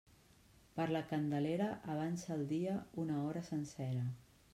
Per la Candelera, avança el dia una hora sencera.